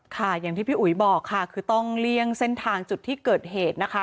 ค่ะอย่างที่พี่อุ๋ยบอกค่ะคือต้องเลี่ยงเส้นทางจุดที่เกิดเหตุนะคะ